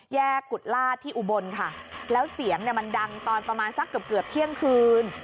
แยกกุฏราชที่อุบลค่ะแล้วเสียงมันดังตอนประมาณสักเกือบเที่ยงคืน